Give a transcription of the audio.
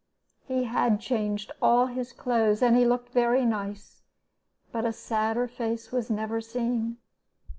"He had changed all his clothes, and he looked very nice, but a sadder face was never seen.